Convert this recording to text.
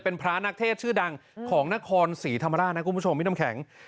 เป็นพระนักเทศชื่อดังของนครศรีธรรมราชนะคุณผู้ชมพี่น้ำแข็ง